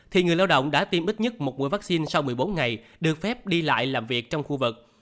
thì người lao động đã tiêm ít nhất một buổi vaccine sau một mươi bốn ngày được phép đi lại làm việc trong khu vực